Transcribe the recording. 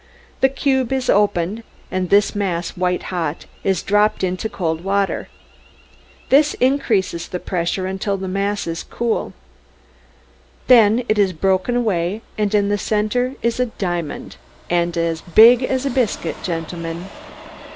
The cube is opened, and this mass, white hot, is dropped into cold water. This increases the pressure until the mass is cool. Then it is broken away, and in the center is a diamond as big as a biscuit, gentlemen!